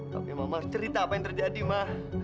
tapi mama harus cerita apa yang terjadi ma